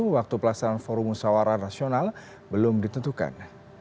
waktu pelaksanaan forum musawara nasional belum ditentukan